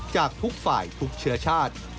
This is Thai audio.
จากทุกฝ่ายทุกเชื้อชาติ